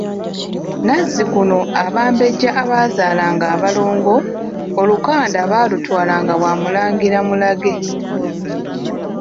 Nazikuno Abambejja abaazaalanga abalongo, olukanda baalutwalanga wa Mulangira Mulage.